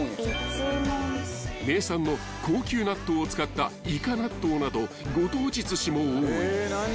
［名産の高級納豆を使ったいか納豆などご当地ずしも多い］